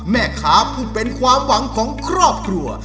แม่ค้าผู้เป็นความหวังของครอบครัว